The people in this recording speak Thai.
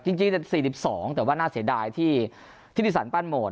จริงแต่๔๒แต่ว่าน่าเสียดายที่ทิศิสันปั้นโหมด